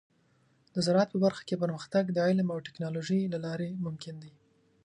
د زراعت په برخه کې پرمختګ د علم او ټیکنالوجۍ له لارې ممکن دی.